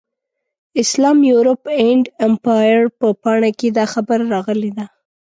اسلام، یورپ اینډ امپایر په پاڼه کې دا خبره راغلې ده.